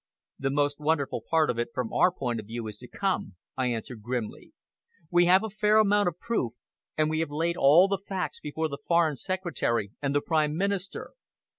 "The most wonderful part of it, from our point of view, is to come," I answered grimly. "We have a fair amount of proof, and we have laid all the facts before the Foreign Secretary and the Prime Minister."